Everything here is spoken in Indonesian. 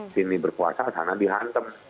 sini berkuasa sana dihantam